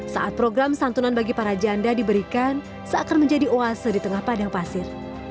saat program santunan bagi para janda diberikan seakan menjadi oase di tengah padang pasir